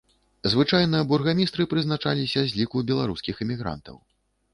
Звычайна бургамістры прызначаліся з ліку беларускіх эмігрантаў.